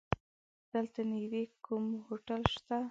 دلته نيږدې کوم هوټل شته؟